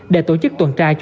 để tổ chức tuần trận giãn cách